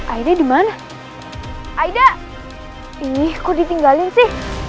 aida dimana aida ini ku ditinggalin sih